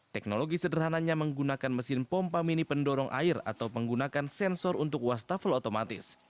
teknologi sederhananya menggunakan mesin pompa mini pendorong air atau menggunakan sensor untuk wastafel otomatis